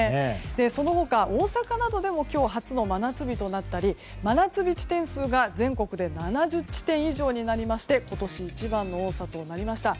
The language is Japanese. その他、大阪などでも今日は初の真夏日となったり真夏日地点数が全国で７０点以上になりまして今年一番の多さとなりました。